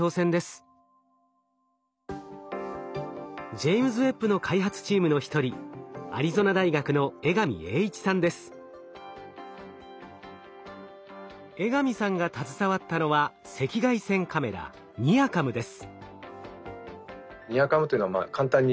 ジェイムズ・ウェッブの開発チームの一人江上さんが携わったのは赤外線カメラＮＩＲＣａｍです。